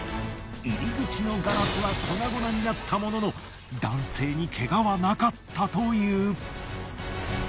入り口のガラスは粉々になったものの男性にケガはなかったという。